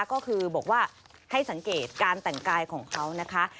ก็คือบอกว่าให้สังเกตการแต่งกายของเขานะคะ